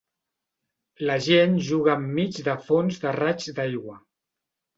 La gent juga enmig de fonts de raigs d'aigua.